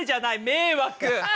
迷惑！